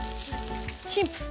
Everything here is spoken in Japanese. シンプル。